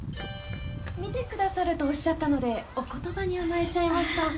見てくださるとおっしゃったのでお言葉に甘えちゃいました。